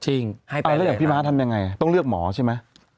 เอาเรื่องพี่ม้าทำยังไงต้องเลือกหมอใช่ไหม